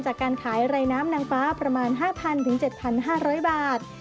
จากการขายไรน้ำนางฟ้าประมาณ๕๐๐๗๕๐๐บาท